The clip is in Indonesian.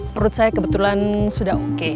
perut saya kebetulan sudah oke